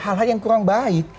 hal hal yang kurang baik